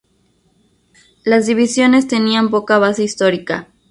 Las divisiones tenían poca base histórica.